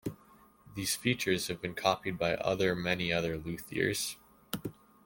These features have been copied by other many other luthiers.